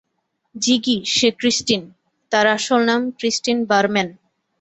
জিগি, সে ক্রিস্টিন, তার আসল নাম, ক্রিস্টিন বারম্যান।